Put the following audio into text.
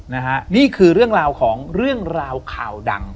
นี่คือเรื่องราวของเรื่องราวข่าวดัง